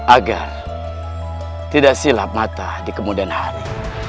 agar tidak silap mata di kemudian hari